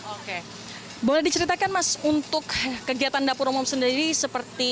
oke boleh diceritakan mas untuk kegiatan dapur umum sendiri seperti